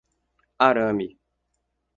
Arame